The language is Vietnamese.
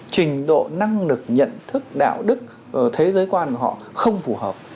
thăng lực nhận thức đạo đức thế giới quan của họ không phù hợp